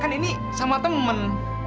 kan ini sama temen